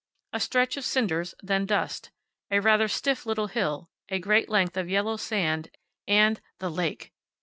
A stretch of cinders, then dust, a rather stiff little hill, a great length of yellow sand and the lake!